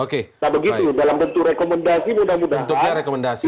nah begitu dalam bentuk rekomendasi